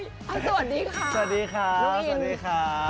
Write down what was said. สวัสดีค่ะสวัสดีครับสวัสดีค่ะ